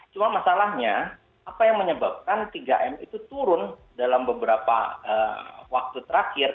cuma masalahnya apa yang menyebabkan tiga m itu turun dalam beberapa waktu terakhir